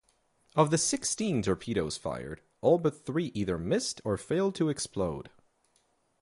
Of the sixteen torpedoes fired, all but three either missed or failed to explode.